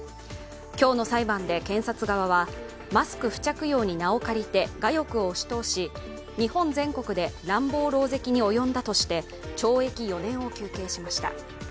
今日の裁判で検察側は、マスク付着用に名を借りて我欲を押し通し、日本全国で乱暴狼藉に及んだとして懲役４年を求刑しました。